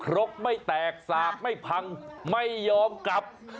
รกไม่แตกสากไม่พังไม่ยอมกลับ